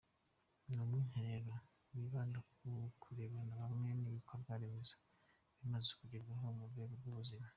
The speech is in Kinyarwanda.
Ni umwiherero wibanda ku kurebera hamwe ibikorwa remezo bimaze kugerwaho mu rwego rw’ ubuzima.